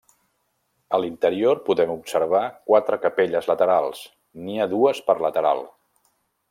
A l'interior podem observar quatre capelles laterals, n'hi ha dues per lateral.